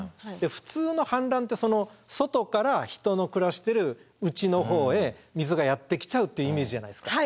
普通の氾濫って外から人の暮らしてる内の方へ水がやって来ちゃうっていうイメージじゃないですか。